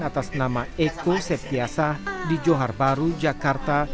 atas nama eko septiasa di johar baru jakarta